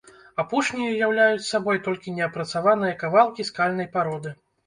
Апошнія ўяўляюць сабой толькі неапрацаваныя кавалкі скальнай пароды.